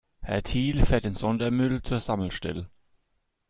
Herr Thiel fährt den Sondermüll zur Sammelstelle.